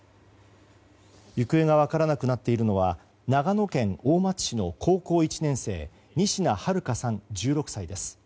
行方が分からなくなっているのは長野県大町市の高校１年生仁科日花さん、１６歳です。